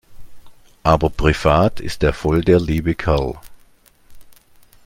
Aber privat ist er voll der liebe Kerl.